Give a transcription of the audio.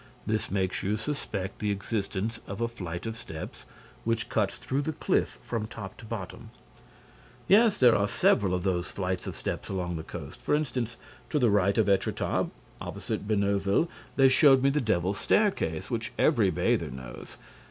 This makes you suspect the existence of a flight of steps which cuts through the cliff from top to bottom." "Yes, there are several of those flights of steps along the coast. For instance, to the right of Étretat, opposite Bénouville, they showed me the Devil's Staircase, which every bather knows.